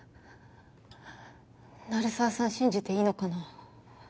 鳴沢さん信じていいのかな？